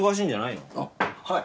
はい。